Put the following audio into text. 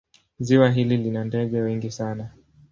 Ziwa hili lina ndege wengi sana.